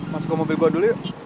mas ke mobil gue dulu yuk